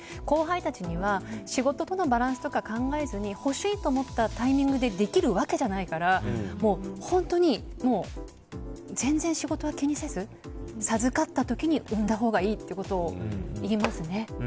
後輩たちには仕事とのバランスとか考えずに欲しいと思ったタイミングでできるわけじゃないから本当に全然仕事は気にせず授かった時に産んだほうがいいということを言いますね。